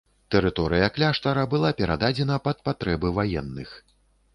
Тэрыторыя кляштара была перададзена пад патрэбы ваенных.